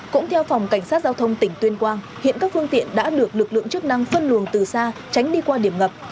cũng theo phòng cảnh sát giao thông tỉnh tuyên quang hiện các phương tiện đã được lực lượng chức năng phân luồng từ xa tránh đi qua điểm ngập